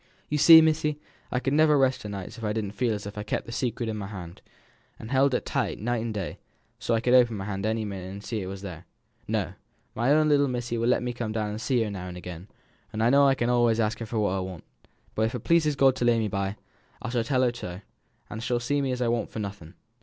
"You see, missy, I could never rest a nights if I didn't feel as if I kept the secret in my hand, and held it tight day and night, so as I could open my hand at any minute and see as it was there. No! my own little missy will let me come and see her now and again, and I know as I can allays ask her for what I want: and if it please God to lay me by, I shall tell her so, and she'll see as I want for nothing.